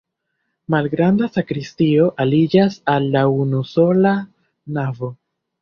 Malgranda sakristio aliĝas al la unusola navo.